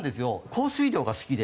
降水量が好きで。